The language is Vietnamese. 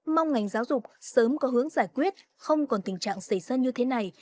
mong ngành giáo dục sớm có hướng giải quyết không còn tình trạng xảy ra như thế này